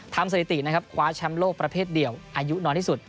ทำสถิติคว้าแชมป์โลกประเภทเดี่ยวอายุนอนที่สุด